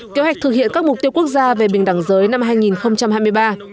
kế hoạch thực hiện các mục tiêu quốc gia về bình đẳng giới năm hai nghìn hai mươi ba